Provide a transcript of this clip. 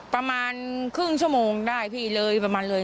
ประมาณครึ่งชั่วโมงได้พี่เลยประมาณเลย